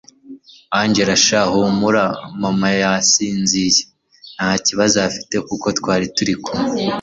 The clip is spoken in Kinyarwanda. Angel sha humura mama yasinziye ntakibazo afite kuko twari turi kumwe